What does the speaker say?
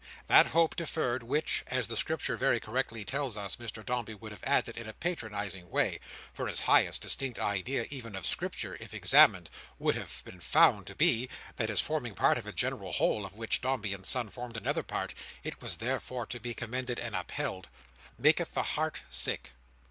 That hope deferred, which, (as the Scripture very correctly tells us, Mr Dombey would have added in a patronising way; for his highest distinct idea even of Scripture, if examined, would have been found to be; that as forming part of a general whole, of which Dombey and Son formed another part, it was therefore to be commended and upheld) maketh the heart sick.